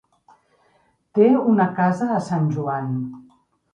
Té una casa a Sant Joan.